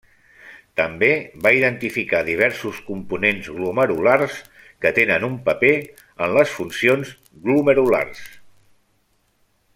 També va identificar diversos components glomerulars que tenen un paper en les funcions glomerulars.